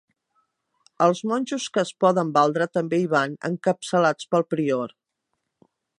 Els monjos que es poden valdre també hi van, encapçalats pel prior.